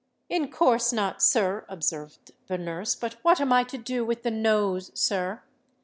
"In course not, sir," observed the nurse. "But what am I to do with the Nose, sir?"